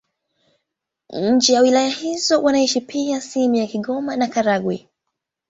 Nje na wilaya hizo wanaishi pia sehemu za Kigoma na Karagwe.